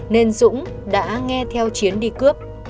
nên dũng đã nghe theo chiến đi cướp